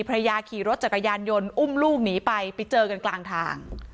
ภรรยาขี่รถจักรยานยนต์อุ้มลูกหนีไปไปเจอกันกลางทาง